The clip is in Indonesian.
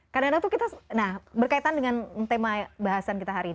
kadang kadang tuh kita nah berkaitan dengan tema bahasan kita hari ini